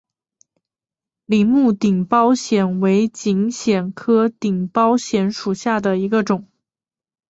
铃木顶苞藓为锦藓科顶苞藓属下的一个种。